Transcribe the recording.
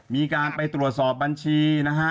มีการไปตรวจสอบบัญชีนะฮะ